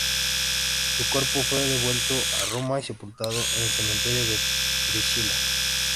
Su cuerpo fue devuelto a Roma y sepultado en el cementerio de Priscila.